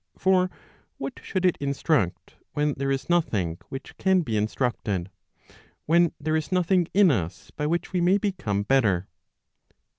For what should it instruct, when there is nothing:; which cau be instructed, when there is nothing in us by which we may become better